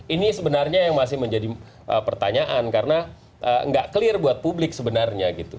ini sebenarnya yang masih menjadi pertanyaan karena nggak clear buat publik sebenarnya gitu